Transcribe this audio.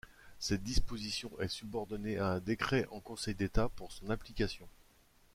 Cette disposition est subordonnée à un décret en Conseil d'État pour son application.